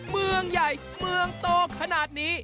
เมืองใหญ่เมืองโตขนาดนี้